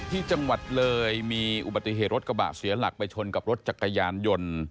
ที่จังหวัดเลยมีอุบัติเหตุรถกระบะเสียหลักไปชนกับรถจักรยานยนต์